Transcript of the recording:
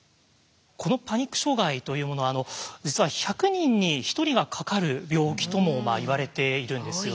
このパニック障害というものは実は１００人に１人がかかる病気ともいわれているんですよね。